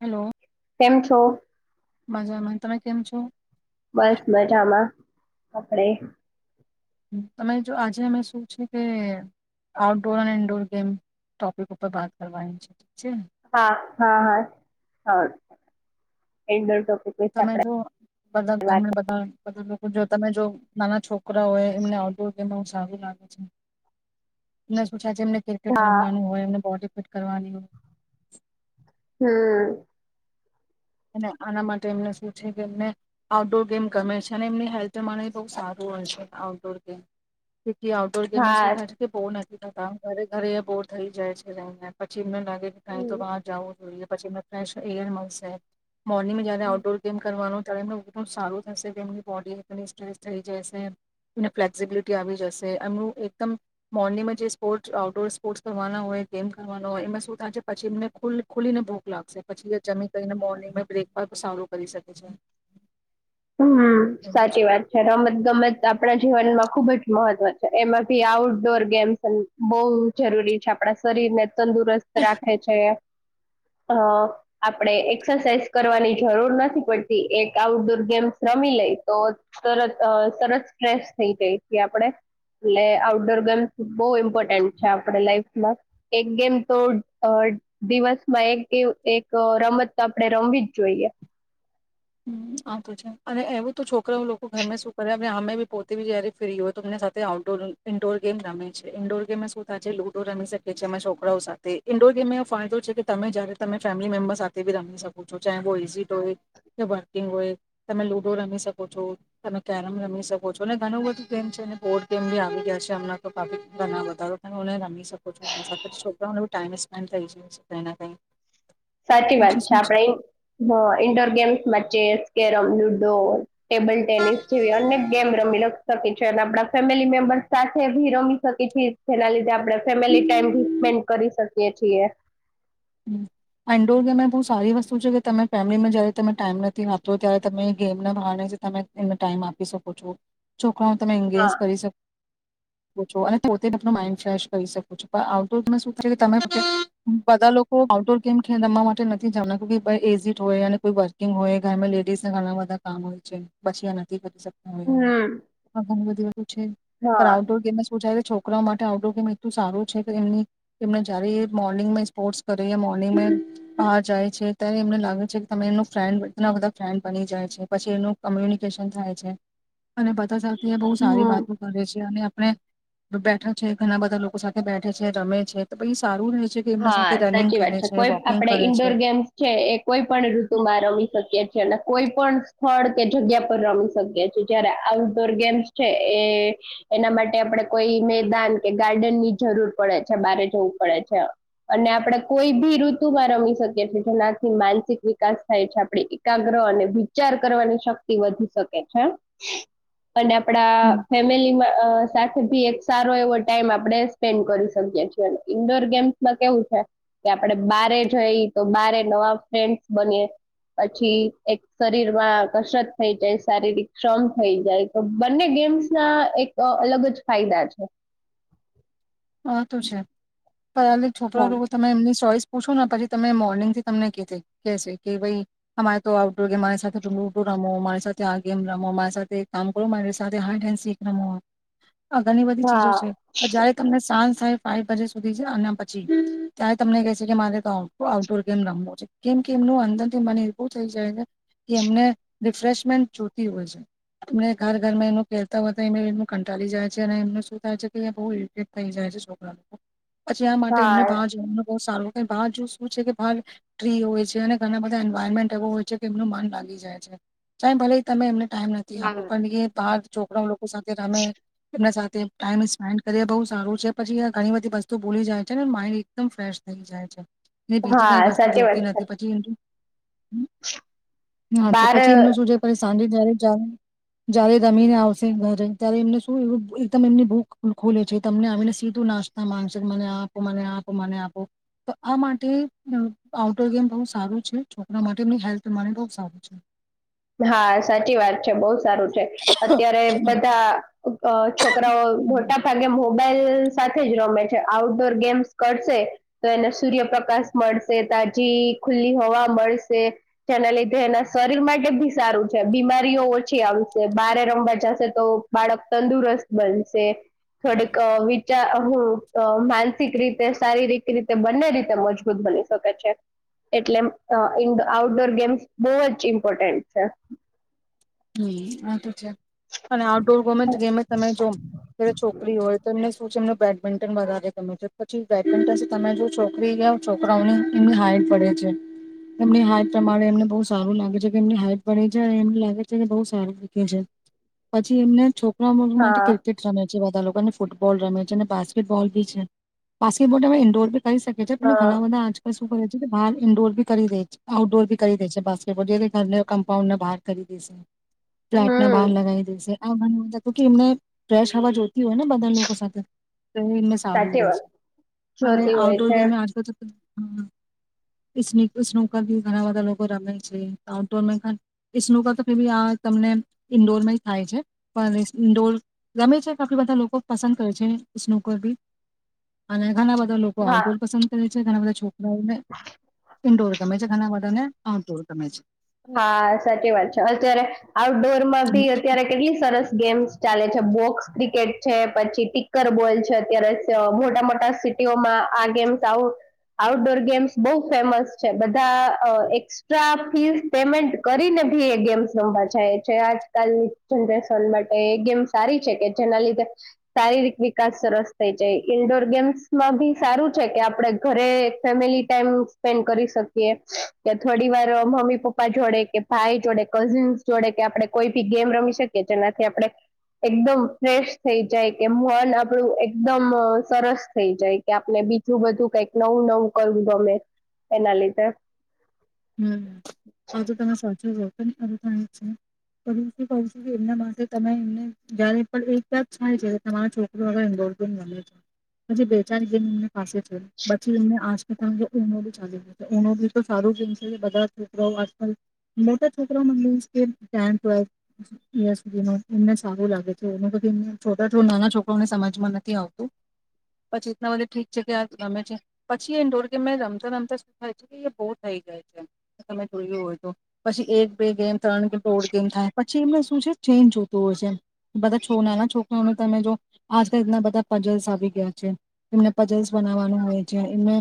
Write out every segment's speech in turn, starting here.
Hello. [unintelligible] છો. મજા મને તમે કેમ છો. બસ મજામાં. કપડે તમે જો આજે અમે શું છે, કે આઉટડોર અને ઇન્ડોર ગેમ ટોપિક ઉપર બાત કરવાની [unintelligible] છે. [inaudible] તમે આપણે જો બધા વાત ઘર બધા બધા લોકો જો તમે જો નાના છોકરા હોય એમને આઉટડોર ગેમ સારું લાગે છે. મને કરી. ક્રિકેટ હા રમવાનું હોય એમને બોડી ફટ કરવાની [inaudible] અને આના માટે એમને શું છે, કે એમને આઉટડોર ગેમ ગમે છે, અને એમની હેલ્થ માટે બહ સારું છે, outdoor game outdoor game હા થાય છે, કે [unintelligible] ઘરે ઘરે બોર થઈ જાય છે, લઈને પછી કેમમે લાગે કે કા હમ તો બહાર જાઓ થોડી પછીને ફ્રેશ એયર મળશે મોર્નિંગ જયારે હમ આઉટડોર ગેમ કરવાનું ત એમનું [unintelligible] સારું થશે કે એમની બોડી એકદમ સ્ટ્રેચ થઈ જશે. બ્રેકફ સારું કરી શકે છે. હમ સાચી વાત છે, રમત ગમત આપણા જીવનમાં ખુબ જ મહત્વ છે, એમાં ભી આઉટડોર ગેમ્સ બહુ જરૂરી છે, આપણા શરીરને તંદુરસ્ત રાખે છે. હ આપડે એક્સરસાઇઝ કરવાની જરૂર નથી પડતી એક આઉટડોર ગેમ્ રમી લઈ તો તરત સરત સ્ટ્રેસ થઈ જાય છે, આપણે એટલે આઉટડોર ગેમ્સ બહ ઇમ્પોર્ટન્ટ છે, આપણે લાાઈફમાં એક ગેમ તો દિવસમાં એક એક રમત તો આપણે રમવી જ જોઈએ. હ આ તો છે, અને એવું તો છોકરાઓ લોકો ઘરમે શું કરે અને અમે બી પોતે બી જય્યારે ફ્રી હોય તો અમને સાથે આઉટડોર ઇન્ડોર ગેમ રમે છે ઇન્ડોર ગેમેમે શું થાય છે, લુડો રમી શકીએીએ અમારા છોકરાઓ સાથે ઇન્ડોર ગેમ એો ફાયદો છે, કે તમે જ્યારે તમે ફેમિલી મેમ્બર સાથે બી રમી શકો છો ચાહે કોઈ ઇઝિટ હોય. કે વર્કિંગ હોય તમે લુડો રમી શકો છો તમે કેરમ રમી શકો છો અને ઘણું બધું ગેમ છે, બોર્ડ ગેમ બી આવી ગયા છે, હમણાં [unintelligible] ઘણા બધા તમે રમી શકો છો એમની સાથે છોકરાઓને બી ટાઈમ સ્પેન્ડ થઈ જાય છે, કઈ કઈ સાચી વાત પછી છે, શું આપડે indoor games chess carrom ludo table tennis જેવી અનેક ગેમ રમી શકી છેએ અને આપ ફેમિલી [unintelligible] સાથે ભી રમી શકી છીએ જેના લીધે આપણે ફેમિલી ટાઈમ ભી સ્પેન્ડ કરી શકીએ છીએ. ઇન્ડોર ગેમે એ બહુ સારી વસ્તુ છે, કે તમે ફેમિલીમાં જયારે તમે ટાઈમ નથી આપતો ત્યારે તમે ગેમના ભણે તમે એને ટાઈમ આપી શકો છો. પણ હું તમે [unintelligible] હા કરી શકો. અનેતે માઇન્ડ ફ્રેશ કરી શકો છો પણ આઉટડોરમાં શું થ તમે બધા લોકો. તો આઉટડોર ગેમ ખેલ રમવા માટે નથી જાણ એઝીડ હોય અને કોઈ વર્કિંગ હોય ઘરમાં લેડીઝ ના ઘણા બધા કામ હોય છે પછી નથી કરી શકતા. હમ ઘણી બધી વાત છે, હા આઉટડોર ગેમ શુ [unintelligible] છોકરા માટે આઉટડોર ગેમ એટલું સારું છે, કે એમની એને જય મોર્નિંગ સ્પોર્ટ કરી મોર્નિંગ બહાર જાય છે, ત્યારે એમને લાગે છે, કે તમે એમનું ફ્રેન્ડ ઘ બધા ફ્રેન્ડ બની જાય છે, પછી એનું કમ્યુનિકેશન થાય છે. અને બધા સાથે બહુ સારી હમ વાતો કરે છે, અને અને બેઠા છે ઘણા બધા લોકો સાથે બેઠે છે રમે છે તો પી સારું રહે છે કે એમના હા સાથે રનિંગ સાચી વાત કરે છે કોઈ વોકિંગ આપડે કરે છે ઈન્ડોર ગેમ્સ છે એ કોઈ પણ ઋતુમાં રમી શકીએ શકી છીએ અને કોઈ પણ સ્થળ કે જગ્યા પર રમી શકીએ છેીએ જયારે આઉટડોર ગેમ્સ છે એ એના માટે આપણે કોઈ મેદાન કે ગાર્ડન ની જરૂર પડે છે બારે જવું પડે છે અને આપણે કોઈ બી ઋતુમાં રમી શકીએ છીએ જેનાથી માનસિક વિકાસ થાય છે આપણે એકાગ્ર અને વિચાર કરવાની શક્તિ વધી શકે છે અને આપડા હમ, ફેમિલીમાં સાથે ભી એક સારો એવો ટાઈમ આપણે સ્પેન્ડ કરી શકીએીએ અને ઇન્ડોર ગેમ માં કેવું છે કે આપડે બારે જઈ તો બારે નવા ફ્રેન્ડ બનીએ પછી એક શરીર માં કસરત થઈ જાય શારીરિક શમ થઈ જાય તો બંને ગેમ્સ ના એક અલગ જ ફાયદા છે હ તોું છે પર છોકરા લોકો હા તમે એમની ચોઈસ પૂછો પછી તમે મોર્નિંગ થી તમને કે કે ભાઈ અમારે તો આઉટડોર ગેમ મારી સાથેડું રમો મારી સાથે આ ગેમ રમો મારી સાથે કામ કરો મારી સાથે હન્ શીખ રમો આ ઘણી બધી ચીજો છે જ્યારે ચાન્સ થાય ફાઇવ બજે સુધી છે અને પછી ત્યારે તમને કહે છે કે મારે તો આઉટડોર ગેમ રમવો છે કેમ કે એમનું અંદર થી મને એવું થઈ જાય છે કે એમને રિફ્રેશમેન્ટ જોતી હોય છે એમને ઘર ઘરમાં એનું ખેલતા હોય તો એ એમ કંટાળી જાય છે અને એમને શું થાય છે કે બ કહીં જાય છે છોકરા લોકો પછી આ માટે હા એમને બહાર જોવા બહ સારું ક ભહાર જો શું છે કે ભાર ટ્રી હોય છે અને ઘણા બધા એન્વાયરમેન્ટ એવો હોય છે કે એમનું મન લાગી જાય છે સા ભલે તમે એમને ટાઈમ નથી આપો હા પણ બહાર છોકરા લોકો સાથે રામે એમના સાથે ટાઈમ સ્પેન્ડ કર બઉ સારું છે પછી ઘણી બધી વસ્તુ ભોલી જાય છે ને માઇન્ડ એકદમ ફ્રેશ થઈ જાય છે બીજી કઈ હા વસ્તુ સાચી જોતી વાત છે નથી પછી હા છે બાર પછી એમનું શું સાંજે જ્યારે જ્યારે રમીને આવશે ઘરે ત્યારે એમને શું એકદમ એમની ભૂખ ખોલે છે તમને આવીને સીધું નાસ્તા માંગશે મને આપો મને આપો મને આપો તો આ માટે આઉટડોર ગેમ બહુ સારું છે છોકરા માટે એમની હેલ્થ માટે બહુ સારું છે હા સાચી વાત બહ સારું છે અત્યારે બધા અ છોકરાઓ હમ મોટા ભાગે મો મોબાઈલ સાથે જ રમે છે આઉટડોર ગેમ્સ કરશે તો એને સૂર્યપ્રકાશ મળશે તાજી ખુલ્લી હોવા મળશે જેના લીધે એના શરીર માટે બી સારું છે બીમારીઓ ઓછી આવશે બારે રમવા જશે તો બાળક તંદુરસ્ત બનશે થોડે ક હું માનસિક રીતે શારીરિક રીતે બંને રીતે મજબૂત બની શકે છે એટલેઇ આઉટડોર ગેમ્સ બહુ જ ઇમ્પોર્ટન્ટ અચ્છા હમ આ તો છે અને આઉટડોર ગમે ગેમે તમે જો છોકરી હોય તો એમને શું છે એમ બેડમિન્ટન વધારે ગમે છે પછી બેડમિન્ટન તમે જો છોકરીઓ છોકરાઓની એમની હાઈટ પડે છે એમની હાઈટ પ્રમાણે એમને બહ સારું લાગે છે કે એમની હાઈટ પે છે એમ લાગે જેને બહ સારુંીખ્યું છે પછી એમને છોક માટે હા ક્રિકેટ રમે બધા લોકો ને ફૂટબોલ રમે છે અને બાસ્કેટબોલ બી છે બાસ્ટબોલમાં ઇન્ડોરી કરી શકે છે પણ હા ઘણા બધા આજકાલ શું કરે છે કે બહ ન્ડોરી કરી દે છે આઉટડોર ભી કરી દે છે બાસ્કેટબોલ જે ઘરને કમપાઉન્ડ બાર કરી એ છે ફ્લેટ ના બહાર હમ લગાવી દેશે ભ એમને ફ્રેશ હવા જો હોય ને બધા લોકો સાથે તો એ એમને સારું સાચી રહેે વાત છે અને જોતી હોય આઉટડોર છે ગેમે આજકાલ તો હમ ને તો નોક દ ઘણા બધા લોકો મે છે ટાઉન ટાઉનનુંુકા ી આ તમને ઈન્ડોરમાં થાય છે પણ ઇન્ડોર ગમે છે કેટલી બધા લોકો પસંદ કરે છે સ્નુકર બી અને ઘણા બધા લોકો હા આઉટડોર પસંદ કરે ઘ બધાછો ઘર ઇડોર ગમે છે ઘના વાધા ને હા તો તમે છે હા સાચી વાત છે અત્યારે આઉટડોર માં ભી અત્યારે કેટલી સરસ ગેમ્સ ચાલે છે બોક્સ ક્રિકેટ છે પછી ટીકર બોલ છે અત્યારે મોટા મોટા સિટીઓમાં આ ગેમ્સ આઉટડોર ગેમ્સ બહુ ફેમસ છે બધા એક્સ્ટ્રા ફીસ પેમેન્ટ કરીને ભી એ ગેમ્સ રમવા જાય છે આજકાલની જનરેશન માટે એ ગેમ સારી છે કે જેના લીધે શારીરિક વિકાસ સરસ થઈ જાય ઈન્ડોર ગેમ્સમાં બી સારું છે કે આપડ ઘરે ફેમિલી ટાઈમ સ્પેન્ડ કરી શકીએ કે થોડી વાર મમ્મી પપ્પા પપ્પા જોડે કે ભાઈ જોડે કઝિન્સ જોડે કે આપડણે કોઈ બી ગેમ રમી શકીએ જેનાથી આપણે એકદમ ફ્રેશ થઈ જાય કે મન આપણું એકદમ સરસ થઈ જાય કે આપણે બીજું બધું કઈક નવું નવું કરવું ગમે એના લીધે હજુ તમે સાચી ક છું કે એમના માટે તમે એમને જારે પણ એક બાદ થાય છે તમારા છોકરોવે ઇોર ગ મળે છે પછી બે ચાર ગેમ એમ પાસે છે પછી એમ આી ચાલીનોી તો સાર બધા છોકરાઓ આજકાલ મોટા છોકરાઓ મ ટેથ ટવેથ સુધી એમને સારું લાગે છે એને પછી એમને છોટા થોું નાના છોકરાઓને સમજમાં નથી આવતું પછી એટલા બધા ઠીક છે કે આ રમે છે પછી એ ઇન્ડોર ગેમ રમતા રમતા શું થાય છે કે બહુ થઈ જાય છે તમે જોયું હોય તો પછી એક બે ગેમ ત્રણ કેમ દોઢ ગેમ થાય પછી એમને શું છે ચેન્જ જોતું હોય છે બધા છો નાના છોકરાઓને તમે જો આજકા રીતના બધા પજલ્સ આવી ગયા છે એમને પજલ્સ બનાવવાનું હોય છે એમને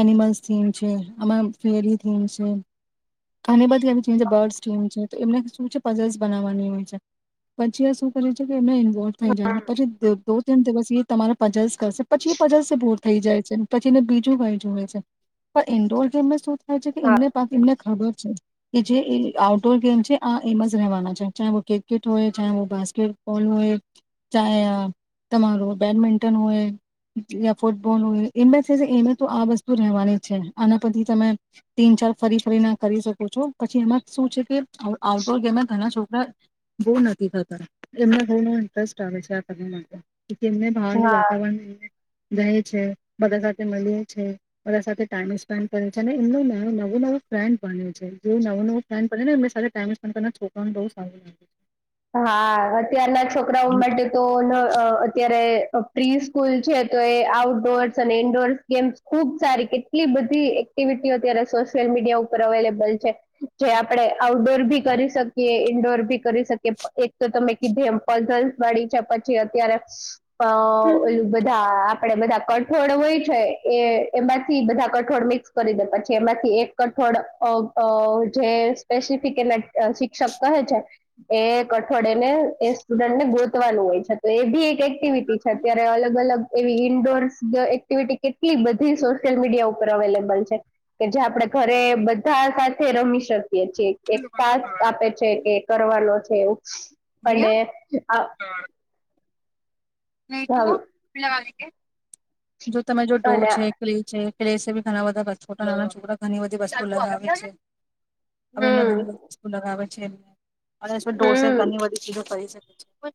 એનિમલ્સથીન છે આ ફરી છે અને બધા બર્ડ ટમ છે તો એમને શું છે પજરસ બનાવવાની હોય છે પછી એ શું કરે છે કે એને ઇન્વોલ્વ થઈ જાય પછી દો તણ દિવસ એ તમારા પચાસ પછી પજલ સે બોર થઈ જાય છે પછીને બીજું ક જુ હોય છે પણ ઇન્ડોર ગેમે થ છે કે હા એમને એમને ખબર એ જે આઉટડોર ગેમ છે આ એમ જ રહેવાના છે ચા ક્રિકેટ હોય ચા બાસ્કેટબોલ હોય ચા તમારો બેડમિન્ટન હોય યા ફૂટબોલ હોય એ એ તો આ વસ્તુ રહેવાની જ છે આના પરથી તમે તીન ચાર ફરી ફરી ના કરી શકો છો પછી એમાં શું છે કે આઉટડોર ગેમે ઘણા છો હ બોર નથી થતા એમને બહ ઇન્ટરેસ્ટ આવે છે આ માટે એમને ભાવ હા નું વાતાવરણ એમને જાય છે બધા સાથે મળએ છે બધા સાથે ટાઈમ સ્પેન્ડ કરે છે ને એમનું નવું નવો ફ્રેન્ડ બને્યો છે જે નવું નવું ફ્રેન્ડ બને ને એ ટાઈમ સ્પેન્ કર છોકરાઓને બ સારું લાગે છે હા અત્યારના છોકરાઓ માટે તો અત્યારે પ્રી સ્કૂલ છે તો એ આઉટડોર્સ અને ઇન્ડોર્સ ગેમ્સ ખુબ સારી કેટલી બધી એક્ટિવિટી અત્યારે સોશિયલ મીડિયા ઉપર અવેલેબલ છે જે આપણે આઉટડોર ભી કરી શકીએ ઇન્ડોર ભી કરી શકે એક તો તમે કીધી એમ પઝલ વાળી છે પછી અત્યારે અ ઓલું બધા આપડે બધા કઠોળ હોય છે એમાંથી બધા કઠોળ મિક્સ કરી દે પછી એમાંથી એક કઠોળ જે સ્પેસિફિક એના શિક્ષક કહે છે એ કઠોડે ને એ સ્ટુડન્ટ ને ગોતવાનું હોય છે તો એ બી એક એક્ટિવિટી છે અત્યારે અલગ અલગ એવી ઇન્ડોર એક્ટિવિટી કેટલી બધી સોશિયલ મીડિયા ઉપર અવેલેબલ છે કે જે આપડે ઘરે બધા સાથે રમી શકીએ એક ટાસ્ આપે છે કે કરવાનો છે એ અને આ નહી તુંલા વા કે જો તમે જો ડો અને છે કલી છે પ્લેસે બી ઘણા બધા છોકરા ઘણી બધી વસ્તુ લગાવે છે હવે એને હમ ઘણી બધી વસ્તુ લગાવે છે. અને ડોસે હમ ઘણી બધી ચીજો ખરી [unintelligible]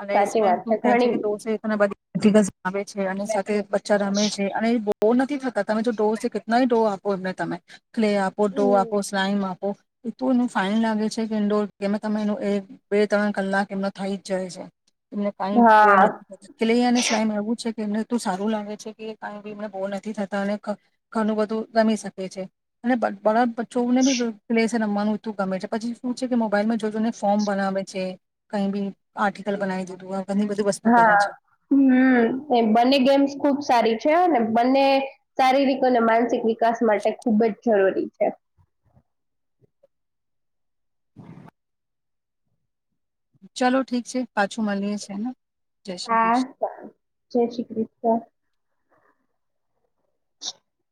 અરે સાચી વાત શું થાય છે ઘણી કે દોસે એતના બધ ઠીક છે. આવે છે અને સાથે રમે છે અને ડો નથી થતા તમે જો ડો કેટલાય ડો આપો એમને તમે ક્લે આપો ડો આપો સ્લામ આપો એ તોું એ ફાઈન લાગે છે કે ઇન્ડોર કે તમે એ બે ત્રણ કલાક એમનો થઈ જ જાય છે. એમને કઈ બહ હા નથીલેૈયાને સ્લાઈમાં આવવું એમને ત સારું લાગે છે કે કી એમને બોરનથી થતા અને ઘણું બધું રમી શકે છે અને બરા ને પ્લેસ રમવાનું એું ગમે છે પછી શું છે કે મોબાઈલમાં જોજને ફોર્મ બનાવે છે કઈ બી આર્ટિકલ બનાવી દીધું હોય હા હમ એ બ બંને ગેમ્સ ખુબ સારી છે ને બંને શારીરિક અને માનસિક વિકાસ માટે ખૂબ જ જરૂરી છે. ચાલો ઠીક છે પાછું મળીએ છેને. હા જય શ્રી કૃષ્. [inaudible]